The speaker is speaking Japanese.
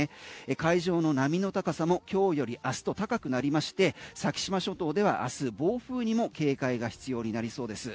海上の波の高さも今日より明日と高くなりまして先島諸島ではあす暴風にも警戒が必要になりそうです。